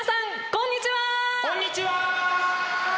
こんにちは！